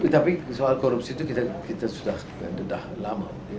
tapi soal korupsi itu kita sudah dedah lama